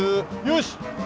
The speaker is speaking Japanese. よし！